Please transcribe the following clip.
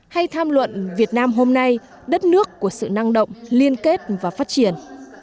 hay tham luận việt nam hôm nay đất nước của sự năng động liên kết và phát triển